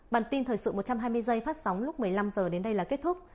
bản tin thời sự một trăm hai mươi giây phát sóng lúc một mươi năm h đến đây là kết thúc